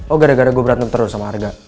oh gara dua gue berantem terus sama arga